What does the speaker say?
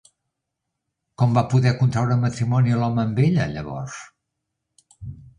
Com va poder contraure matrimoni l'home amb ella, llavors?